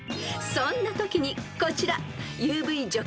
［そんなときにこちら］